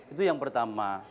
itu yang pertama